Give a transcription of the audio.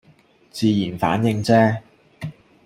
自然反應啫